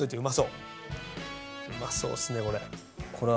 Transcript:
うまそうっすねこれ。